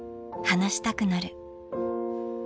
話したくなる。